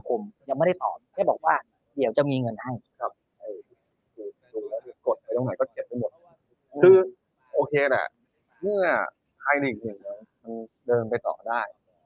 คือโอเคละเมื่อไฮน์๑ขึ้นเขาก็เดินไปต่อได้